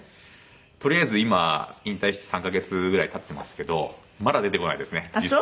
とりあえず今引退して３カ月ぐらい経ってますけどまだ出てこないですね実際。